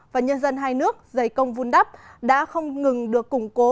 và nhân dân hai nước dày công vun đắp đã không ngừng được củng cố